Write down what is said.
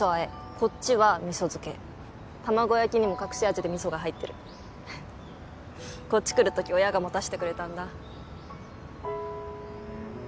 こっちは味噌漬け卵焼きにも隠し味で味噌が入ってるこっち来る時親が持たせてくれたんだ